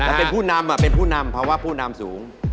แต่เป็นผู้นำเป็นผู้นำภาวะผู้นำสูง